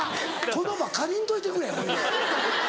この場借りんといてくれほいで。